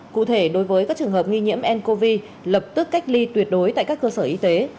cụ thể đối với các trường hợp nghi nhiễm ncov lập tức cách ly tuyệt đối tại các cơ sở y tế